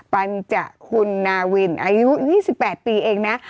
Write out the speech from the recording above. ปัญจคุณนาวินอายุ๒๘ปีเองนะ